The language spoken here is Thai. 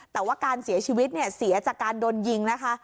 แต่ว่าการเสียชีวิตเนี่ยเสียจากการโดนยิงนะคะ